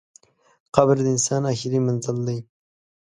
قبر د انسان اخري منزل دئ.